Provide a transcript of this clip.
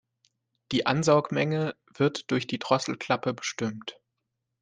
Die Ansaugmenge wird durch die Drosselklappe bestimmt.